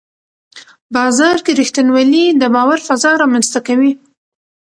بازار کې رښتینولي د باور فضا رامنځته کوي